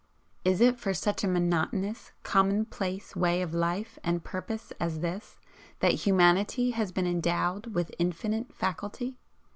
Is it for such a monotonous, commonplace way of life and purpose as this, that humanity has been endowed with 'infinite faculty'?